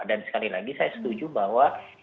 dan sekali lagi saya setuju bahwa